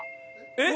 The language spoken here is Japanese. えっ？